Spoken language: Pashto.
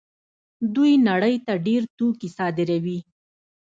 دوی نړۍ ته ډېر توکي صادروي.